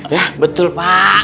ya betul pak